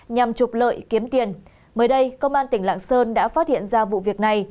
nhằm trục lợi kiếm tiền mới đây công an tỉnh lạng sơn đã phát hiện ra vụ việc này